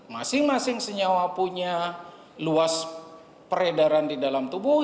masing masing senyawa punya luas peredaran di dalam tubuh